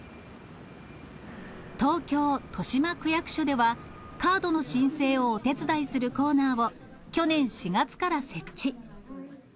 東京・豊島区役所では、カードの申請をお手伝いするコーナーを、去年４月から設置。